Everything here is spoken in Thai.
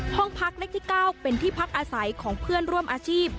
ห้องพักเลขที่๙เป็นที่พักอาศัยของเพื่อนร่วมอาชีพ